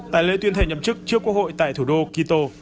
tại lễ tuyên thệ nhậm chức trước quốc hội tại thủ đô quito